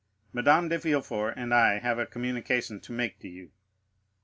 Madame de Villefort and I have a communication to make to you."